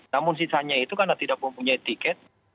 namun sisanya itu karena tidak mempunyai tiket